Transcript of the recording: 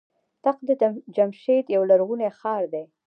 تخت جمشید یو لرغونی ښار دی.